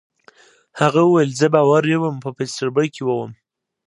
هغه وویل: زه باوري وم، په پیټسبرګ کې ووم.